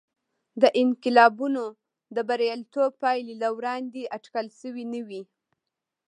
د انقلابینو بریالیتوب پایلې له وړاندې اټکل شوې نه وې.